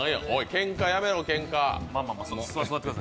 けんかやめろ、けんか。